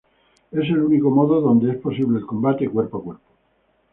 Es el único modo donde es posible el combate cuerpo a cuerpo.